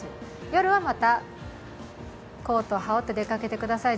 夜はまたコートを羽織って出かけてください。